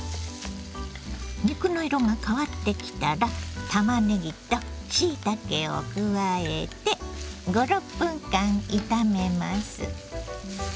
肉の色が変わってきたらたまねぎとしいたけを加えて５６分間炒めます。